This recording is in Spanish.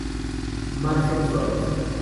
Marcel Suárez.